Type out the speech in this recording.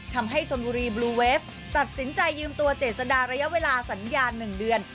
ทำให้ชนบุรีบลูเวฟตัดสินใจยืมตัวเจษดาระยะเวลาสัญญา๑เดือน